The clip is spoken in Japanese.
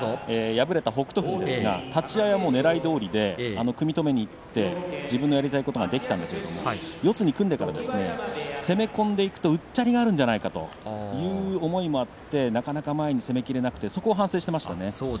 敗れた北勝富士ですが立ち合いねらいどおりで組み止めにいって自分でやりたいことができたんだけど四つに組んでからですね攻め込んでいくと距離があるんじゃないかという思いもあってなかなか前に攻めきれなくてそこを反省していましたね